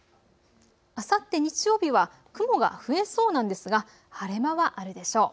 あさって日曜日は雲が増えそうなんですが晴れ間はあるでしょう。